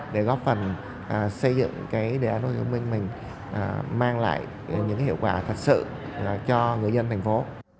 để góp phần xây dựng cái đề án đô thị thông minh mình mang lại những hiệu quả thật sự cho người dân thành phố